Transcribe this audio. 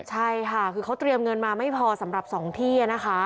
ใช่ค่ะคือเขาเตรียมเงินมาไม่พอสำหรับ๒ที่นะคะ